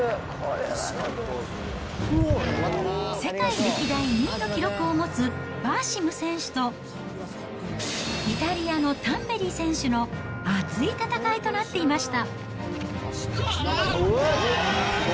世界歴代２位の記録を持つ、バーシム選手と、イタリアのタンベリ選手の熱い戦いとなっていました。